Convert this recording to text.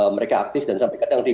mereka aktif dan sampai kadang dia